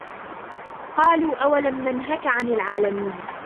قالوا أولم ننهك عن العالمين